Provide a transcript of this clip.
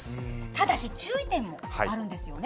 ただし注意点もあるんですよね。